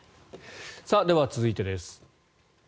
では、続いてです。